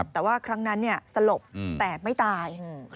แต่ว่าครั้งนั้นสลบแต่ไม่ตาย